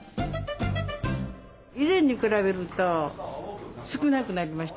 以前に比べると少なくなりましたね。